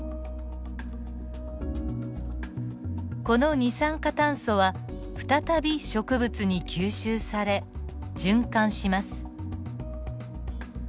この二酸化炭素は再び植物に吸収され循環します。